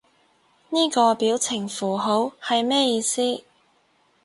呢個表情符號係咩意思？